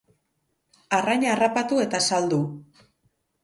Arraina harrapatu eta saldu.